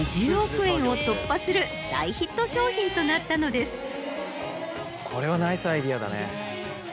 大ヒット商品となったのです。